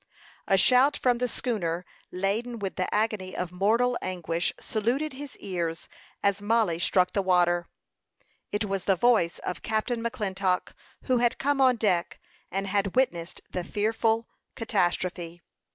A shout from the schooner laden with the agony of mortal anguish saluted his ears as Mollie struck the water. It was the voice of Captain McClintock, who had come on deck, and had witnessed the fearful catastrophe.